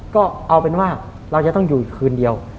ก็เอาเป็นว่าเราจะต้องอยู่อีกคืนเดียว